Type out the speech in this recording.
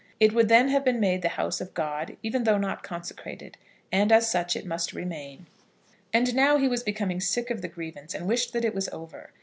It would then have been made the House of God, even though not consecrated, and as such it must remain. And now he was becoming sick of the grievance, and wished that it was over.